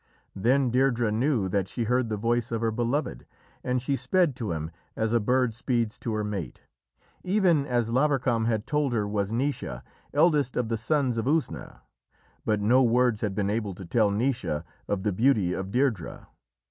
Then Deirdrê knew that she heard the voice of her beloved, and she sped to him as a bird speeds to her mate. Even as Lavarcam had told her was Naoise, eldest of the Sons of Usna, but no words had been able to tell Naoise of the beauty of Deirdrê.